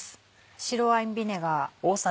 白ワインビネガー。